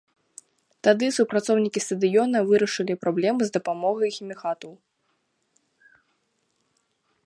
Тады супрацоўнікі стадыёна вырашылі праблему з дапамогай хімікатаў.